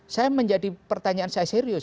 saya menjadi pertanyaan saya serius